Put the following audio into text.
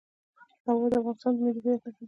هوا د افغانستان د ملي هویت نښه ده.